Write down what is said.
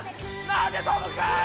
何で跳ぶんかい！